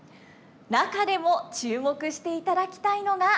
中でも注目していただきたいのがこの人物です。